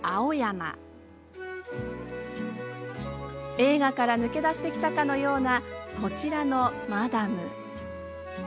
映画から抜け出してきたかのようなこちらのマダム。